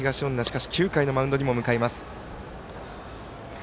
しかし、９回のマウンドへと向かいます。